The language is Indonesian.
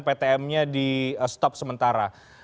ptm nya di stop sementara